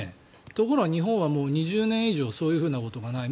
ところが日本は２０年以上そういうことがない。